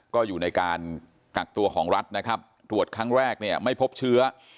ก็อยู่ในการกักตัวของรัฐนะครับตรวจครั้งแรกเนี่ยไม่พบเชื้อ